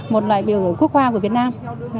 một loài biểu quốc hoa của việt nam